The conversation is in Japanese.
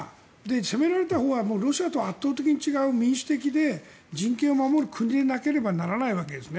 攻められたほうはロシアとは圧倒的に違う民主的で人権を守る国でなければならないわけですね。